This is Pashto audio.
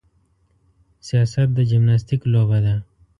سیاست د جمناستیک لوبه ده.